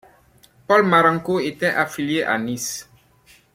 Paul Marenco était affilié à Nice.